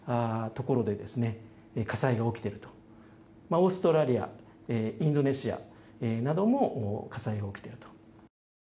オーストラリアインドネシアなども火災が起きていると。